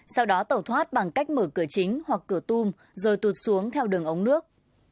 sau đó tẩu thoát bằng cách mở cửa chính hoặc cửa tung rồi tụt xuống theo đường ống nước